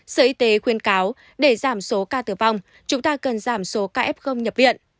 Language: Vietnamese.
sở y tế khuyên cáo để giảm số ca tử vong chúng ta cần giảm số ca f nhập viện